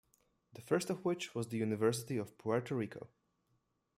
The first of which was the University of Puerto Rico.